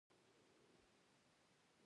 هغه له ښوونځي څخه وایستل شو.